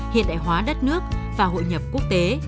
hiện đại hóa đất nước và hội nhập quốc tế